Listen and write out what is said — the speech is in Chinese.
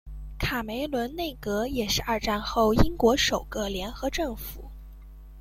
卡梅伦内阁也是二战后英国首个联合政府。